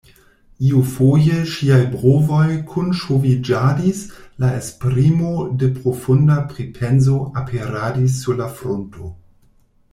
Iufoje ŝiaj brovoj kunŝoviĝadis, la esprimo de profunda pripenso aperadis sur la frunto.